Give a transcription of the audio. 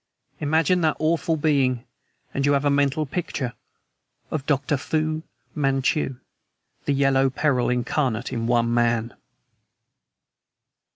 Imagine that awful being, and you have a mental picture of Dr. Fu Manchu, the yellow peril incarnate in one man."